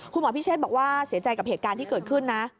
คุณหมอพิเชษบอกว่าเสียใจกับเหตุการณ์ที่เกิดขึ้นนะ